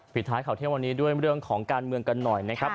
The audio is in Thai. ท้ายข่าวเที่ยงวันนี้ด้วยเรื่องของการเมืองกันหน่อยนะครับ